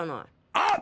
あっ！